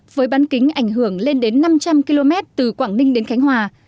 với bán kính ảnh hưởng lên đến năm trăm linh km từ quảng ninh đến khánh hòa